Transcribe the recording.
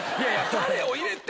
タレを入れて。